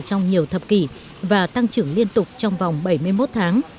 trong nhiều thập kỷ và tăng trưởng liên tục trong vòng bảy mươi một tháng